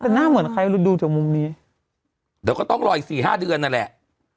แต่หน้าเหมือนใครดูจากมุมนี้เดี๋ยวก็ต้องรออีกสี่ห้าเดือนนั่นแหละ